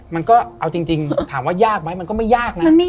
มันก็เอาจริงถามว่ายากไหมมันก็ไม่ยากนะ